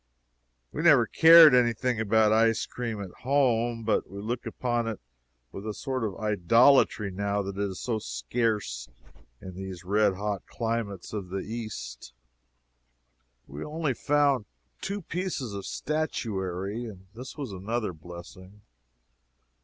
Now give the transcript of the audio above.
We never cared any thing about ice cream at home, but we look upon it with a sort of idolatry now that it is so scarce in these red hot climates of the East. We only found two pieces of statuary, and this was another blessing.